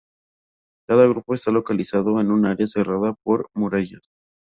Cada grupo está localizado en un área cerrada por murallas.